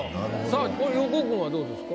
これ横尾君はどうですか？